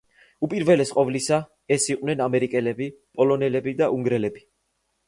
უპირველეს ყოვლისა ეს იყვნენ ამერიკელები, პოლონელები და უნგრელები.